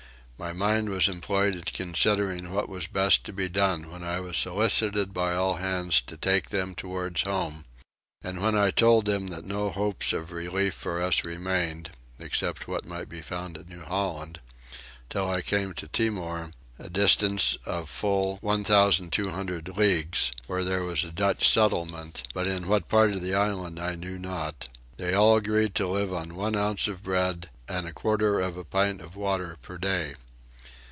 My mind was employed in considering what was best to be done when I was solicited by all hands to take them towards home: and when I told them that no hopes of relief for us remained (except what might be found at New Holland) till I came to Timor, a distance of full 1200 leagues, where there was a Dutch settlement, but in what part of the island I knew not, they all agreed to live on one ounce of bread and a quarter of a pint of water per day.